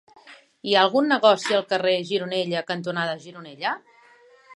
Hi ha algun negoci al carrer Gironella cantonada Gironella?